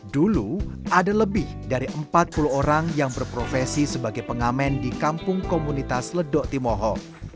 dulu ada lebih dari empat puluh orang yang berprofesi sebagai pengamen di kampung komunitas ledok timoho